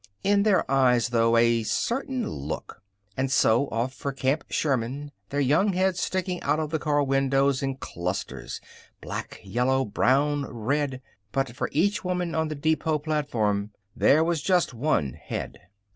In their eyes, though, a certain look. And so off for Camp Sherman, their young heads sticking out of the car windows in clusters black, yellow, brown, red. But for each woman on the depot platform there was just one head.